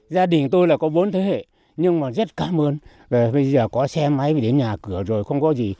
gia đình tôi là có bốn thế hệ nhưng mà rất cảm ơn về bây giờ có xe máy phải đến nhà cửa rồi không có gì